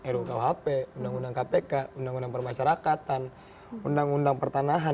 rukuhp undang undang kpk undang undang permasyarakatan undang undang pertanahan